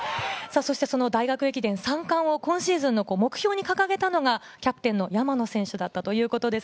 大学駅伝３冠を今シーズンの目標に掲げたのがキャプテンの山野選手だったということです。